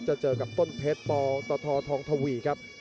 เจอกับต้นเพชรปตททองทวีครับ